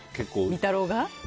見太郎が。